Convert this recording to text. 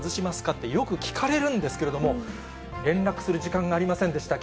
って、よく聞かれるんですけれども、連絡する時間がありませんでした。